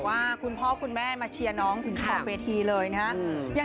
มันคือความรับใจในจ้าง